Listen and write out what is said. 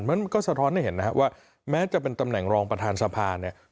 มันก็สะท้อนให้เห็นนะครับว่าแม้จะเป็นตำแหน่งรองประธานสภาเนี่ย